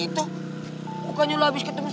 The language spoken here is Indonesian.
gua gak premad distrik